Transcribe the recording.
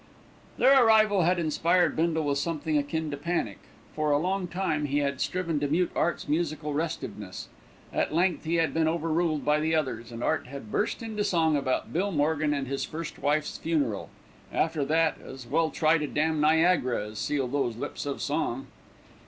Their arrival had inspired Bindle with something akin to panic. For a long time he had striven to mute Art's musical restiveness. At length he had been over ruled by the others, and Art had burst into song about Bill Morgan and his first wife's funeral. After that, as well try to dam Niagara as seal those lips of song.